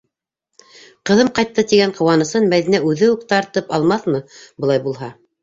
«Ҡыҙым ҡайтты!» тигән ҡыуанысын Мәҙинә үҙе үк тартып алмаҫмы, былай булһа?